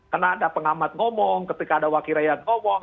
kena ada pengamat ngomong ketika ada wakil rehat ngomong